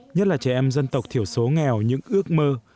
nhất là trẻ em dân tộc thiểu số nghèo những ước mơ